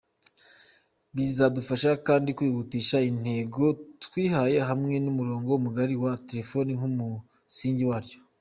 Bizadufasha kandi kwihutisha intego twihaye hamwe n’umurongo mugari wa telefoni nk’umusingi waryo.